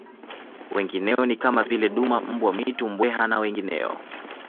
Wengineo ni kama vile duma mbwa mwitu mbweha na wengineo